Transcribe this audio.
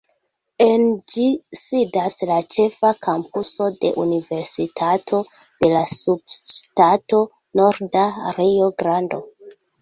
En ĝi sidas la ĉefa kampuso de Universitato de la Subŝtato Norda Rio-Grando.